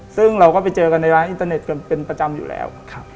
ซึ่งเราก็ไปเจอกันในร้านอินเตอร์เน็ตกันเป็นประจำอยู่แล้ว